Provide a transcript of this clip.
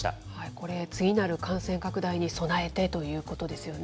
これ、次なる感染拡大に備えてということですよね。